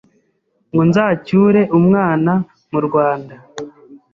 ngo nzacyure umwana mu Rwanda!